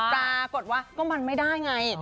ปรากฏว่าก็มันไม่ได้ไง